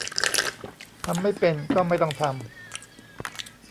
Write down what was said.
ทำไม่เป็น ก็ไม่ต้องทำ